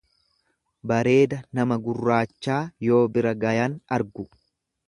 Bareeda nama gurraachaa yoo bira gayan argu.